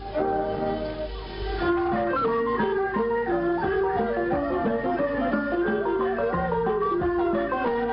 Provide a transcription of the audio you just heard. ทราบที่นั่งไพรศาลพักศิลป์